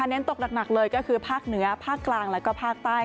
เน้นตกหนักเลยก็คือภาคเหนือภาคกลางแล้วก็ภาคใต้